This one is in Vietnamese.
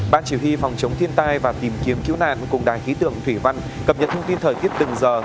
ban chỉ huy phòng chống thiên tai và tìm kiếm cứu nạn cùng đài khí tượng thủy văn cập nhật thông tin thời tiết từng giờ